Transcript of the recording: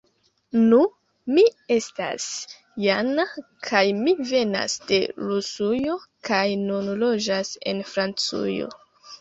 Nu, mi estas Jana kaj mi venas de Rusujo kaj nun loĝas en Francujo